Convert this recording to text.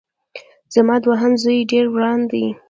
زما دوهم زوی ډېر وران دی